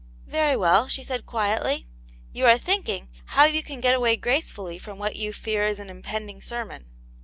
" "Very well," she said, quietly, "you are thinking, how you can get away gracefully from what you fear is an impending sermon."